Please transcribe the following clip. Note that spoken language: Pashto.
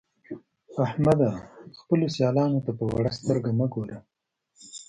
احمده! خپلو سيالانو ته په وړه سترګه مه ګوه.